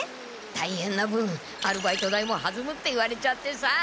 たいへんな分アルバイト代もはずむって言われちゃってさ。